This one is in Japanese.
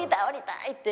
下りたい！」